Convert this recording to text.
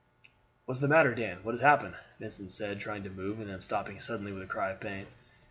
"What's the matter, Dan? What has happened?" Vincent said, trying to move, and then stopping suddenly with a cry of pain.